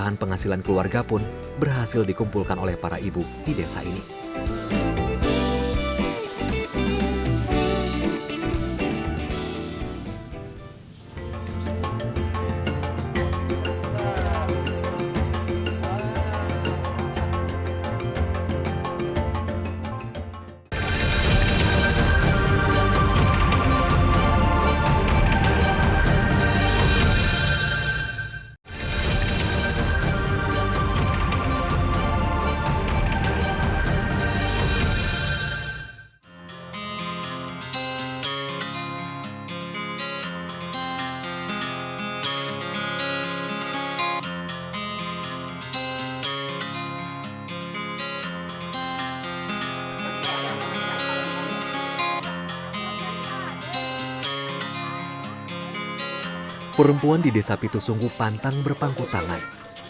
nilai jual komoditas desa pitu sungguh ini